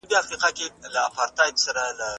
که دولت پروګرام ونلري موخو ته نسي رسېدلای.